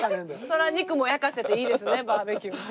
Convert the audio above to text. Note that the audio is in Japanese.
それは肉も焼かせていいですねバーベキュー。